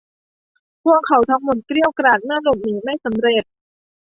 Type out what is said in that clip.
พวกเขาทั้งหมดเกรียวกราดเมื่อหลบหนีไม่สำเร็จ